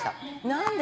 何で！